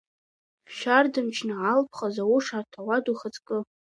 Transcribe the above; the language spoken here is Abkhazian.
Шьардамчы алԥха зауша аҭауад, ухаҵкы!